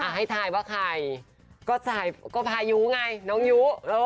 อ่าให้ถ่ายว่าใครก็สายก็พายูไงน้องยูเออ